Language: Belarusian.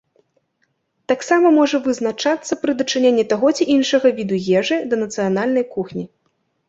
Таксама можа вызначацца пры дачыненні таго ці іншага віду ежы да нацыянальнай кухні.